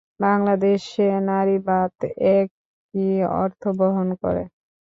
বাংলাদেশে নারীবাদ একই অর্থ বহন করে।